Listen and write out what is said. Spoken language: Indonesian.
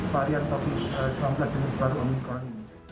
barian topik dua belas jenis baru ominkan